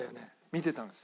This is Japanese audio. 見てたんです。